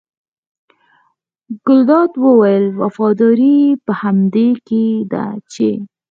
ګلداد وویل وفاداري یې په همدې کې ده چې.